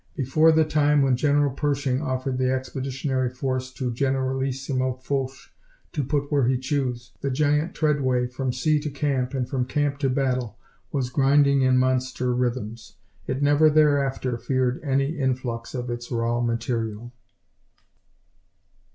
Before the time when General Pershing offered the Expeditionary Force to Generalissimo Foch, to put where he chose, the giant treadway from sea to camp and from camp to battle was grinding in monster rhythms. It never thereafter feared any influx of its raw material.